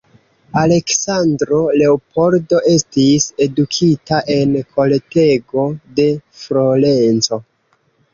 Aleksandro Leopoldo estis edukita en kortego de Florenco.